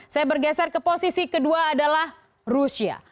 saya bergeser ke posisi kedua adalah rusia